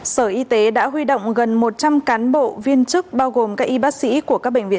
sở y tế đã huy động gần một trăm linh cán bộ viên chức bao gồm các y bác sĩ của các bệnh viện